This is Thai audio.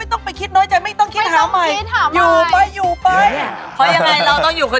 ไม่แช่งแม่ค่ะ